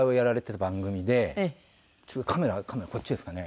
カメラカメラこっちですかね？